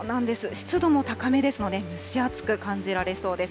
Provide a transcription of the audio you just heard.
湿度も高めですので、蒸し暑く感じられそうです。